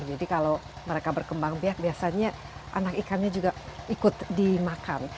jadi kalau mereka berkembang biak biasanya anak ikannya juga ikut dimakan